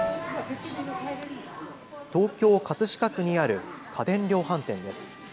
東京葛飾区にある家電量販店です。